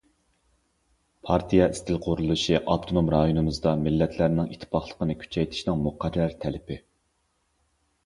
پارتىيەنىڭ ئىستىل قۇرۇلۇشى ئاپتونوم رايونىمىزدا مىللەتلەرنىڭ ئىتتىپاقلىقىنى كۈچەيتىشنىڭ مۇقەررەر تەلىپى.